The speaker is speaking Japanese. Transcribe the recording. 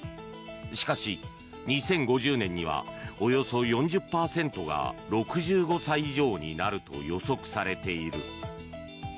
しかし、２０５０年にはおよそ４０％が６５歳以上になると予測されている。